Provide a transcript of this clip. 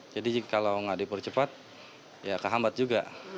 jadi kalau nggak dipercepat ya ke hambat juga